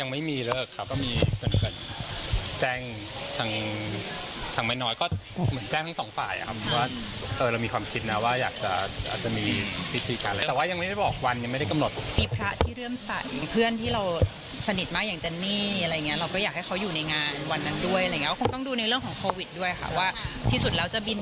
มาได้เมื่อไหร่ก็แพลนว่าอาจจะเป็นปีหน้าจะเป็นช่วงไหนก็ต้องดูกันอีก